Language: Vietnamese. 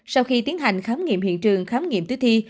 sau khi tiến hành khám nghiệm hiện trường khám nghiệm tử thi